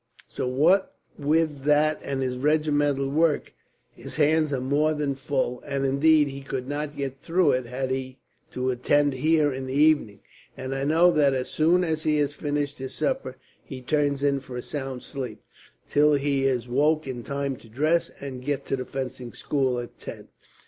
So, what with that and his regimental work, his hands are more than full; and indeed, he could not get through it, had he to attend here in the evening; and I know that as soon as he has finished his supper he turns in for a sound sleep, till he is woke in time to dress and get to the fencing school, at ten.